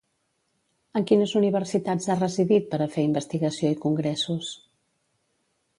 En quines universitats ha residit per a fer investigació i congressos?